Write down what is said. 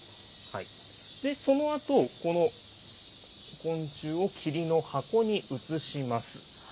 そのあと、この昆虫をきりの箱に移します。